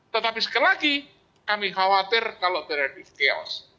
tetapi sekali lagi kami khawatir kalau terjadi chaos